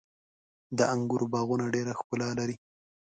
• د انګورو باغونه ډېره ښکلا لري.